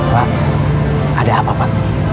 pak ada apa pak